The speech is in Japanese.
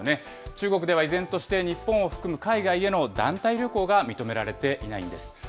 中国では依然として、日本を含む海外への団体旅行が認められていないんです。